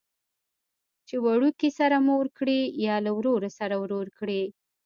چې وړوکي سره مور کړي یا له ورور سره ورور کړي.